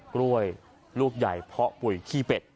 กล้วยลูกใหญ่เพาะปุ๋ยขี้เป็ด